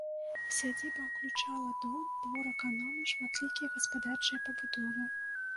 Сядзіба ўключала дом, двор аканома, шматлікія гаспадарчыя пабудовы.